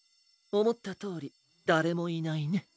おもったとおりだれもいないね。